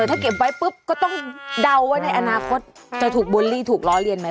แต่ถ้าเก็บไว้ปุ๊บก็ต้องเดาไว้ในอนาคตจะถูกบูลลี่ถูกล้อเลียนไหม